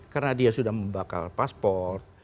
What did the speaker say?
karena dia sudah membakar paspor